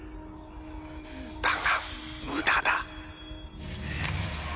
だが無駄だ∈